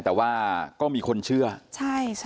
แต่ว่าก็มีคนเชื่อใช่ใช่